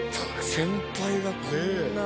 先輩がこんな。